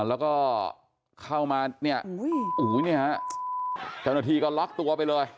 แล้วก็เข้ามาเนี่ยอุ้ยเนี่ยฮะเจ้าหน้าที่ก็ล็อกตัวไปเลย